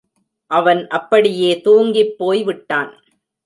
அவன் அப்படியே தூங்கிப்போய்விட்டான்.